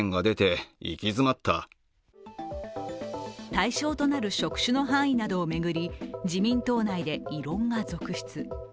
対象となる職種の範囲などを巡り自民党内で異論が続出。